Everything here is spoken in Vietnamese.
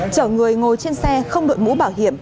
chở người ngồi trên xe không đội mũ bảo hiểm